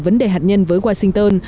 vấn đề hạt nhân với washington